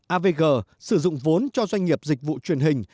avg sử dụng vốn cho doanh nghiệp dịch vụ truyền hình